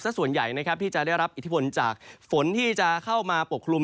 ส่วนใหญ่นะครับที่จะได้รับอิทธิพลจากฝนที่จะเข้ามาปกคลุม